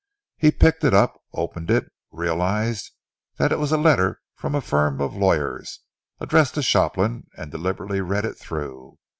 He picked it up, opened it, realised that it was a letter from a firm of lawyers, addressed to Shopland, and deliberately read it through.